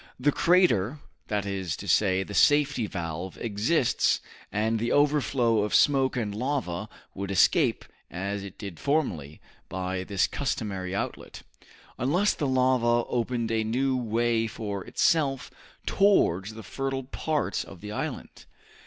"The crater, that is to say, the safety valve, exists, and the overflow of smoke and lava, would escape, as it did formerly, by this customary outlet." "Unless the lava opened a new way for itself towards the fertile parts of the island!"